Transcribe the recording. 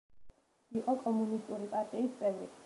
იყო კომუნისტური პარტიის წევრი.